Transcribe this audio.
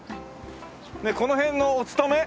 この辺のお勤め？